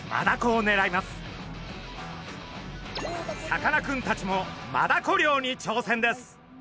さかなクンたちもマダコ漁にちょうせんです。